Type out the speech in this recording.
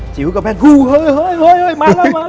จิ๊วกับแพทย์เฮ้ยเฮ้ยเฮ้ยเฮ้ยมาแล้วมาแล้ว